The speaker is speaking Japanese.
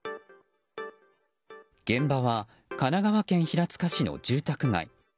現場は神奈川県平塚市の住宅街。